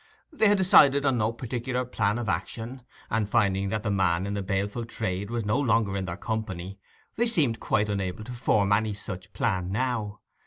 They had decided on no particular plan of action; and, finding that the man of the baleful trade was no longer in their company, they seemed quite unable to form any such plan now.